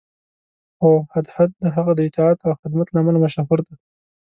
خو هدهد د هغه د اطاعت او خدمت له امله مشهور دی.